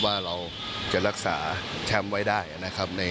ว่าเราจะรักษาแชมป์ไว้ได้นะครับ